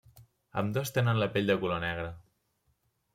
Ambdós tenen la pell de color negre.